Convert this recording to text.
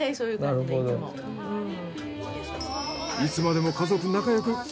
いつまでも家族仲よく。